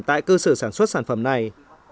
tại cơ sở sản xuất sản phẩm này